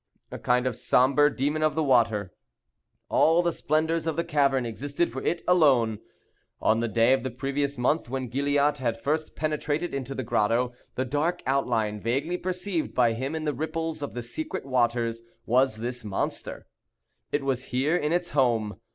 A kind of sombre demon of the water. All the splendors of the cavern existed for it alone. On the day of the previous month when Gilliatt had first penetrated into the grotto, the dark outline, vaguely perceived by him in the ripples of the secret waters, was this monster. It was here in its home.